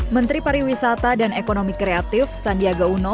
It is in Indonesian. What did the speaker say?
menteri pariwisata dan ekonomi kreatif sandiaga uno